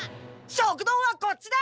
食堂はこっちだ！